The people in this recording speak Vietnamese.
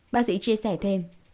bác sĩ chia sẻ thêm